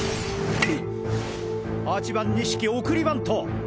８番錦送りバント！